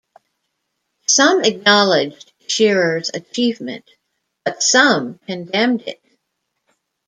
Some acknowledged Shirer's achievement but some condemned it.